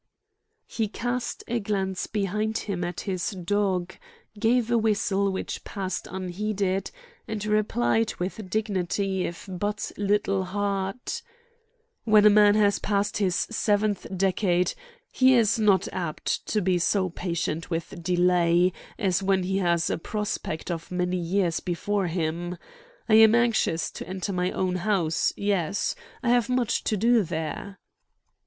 He cast a glance behind him at his dog, gave a whistle which passed unheeded, and replied with dignity, if but little heart: "When a man has passed his seventh decade he is not apt to be so patient with delay as when he has a prospect of many years before him. I am anxious to enter my own house, yes; I have much to do there."